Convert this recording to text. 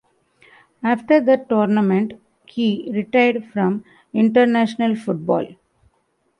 After the tournament, he retired from international football.